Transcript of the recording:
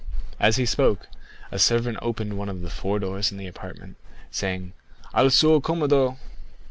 As he spoke, a servant opened one of the four doors of the apartment, saying: "_Al suo commodo!